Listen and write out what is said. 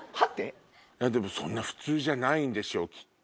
でもそんな普通じゃないんでしょきっと。